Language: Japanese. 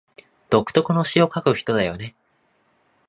独特の詩を書く人だよね